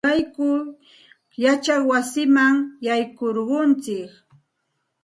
Nuqayku yachay wasiman yaykurquntsik.